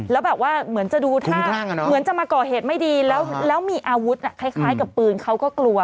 แล้วแบบว่าเหมือนจะมาเกาะเหตุไม่ดีแล้วมีอาวุธคล้ายกับปืนเขาก็กลัว